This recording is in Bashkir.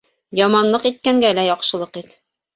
Яманлыҡ иткәнгә лә яҡшылыҡ ит.